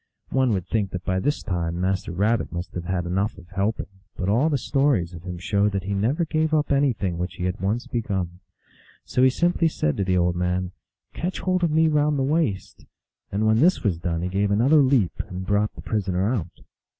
One would think that by this time Master Rabbit must have had enough of helping, but all the stories of him show that he never gave up anything which he had once begun. So he simply said to the old man, " Catch hold of me round the waist ;" and when this was done he gave another leap, and brought the prisoner out.